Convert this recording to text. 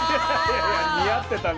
似合ってたね。